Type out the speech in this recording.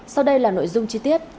sau đây là nội dung chi tiết